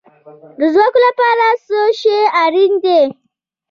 د ځواک لپاره څه شی اړین دی؟